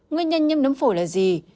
nguyên nhân như nấm phổi là gì